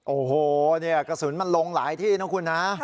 โอ้โหเนี่ยกระสุนมันลงหลายที่นะคุณนะ